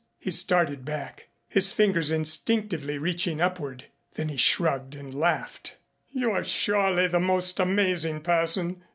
He started back, his fingers instinctively reaching upward. Then he shrugged and laughed. "You are surely the most amazing person.